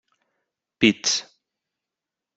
Pits.